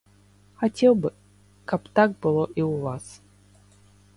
Хацеў бы, каб так было і ў вас.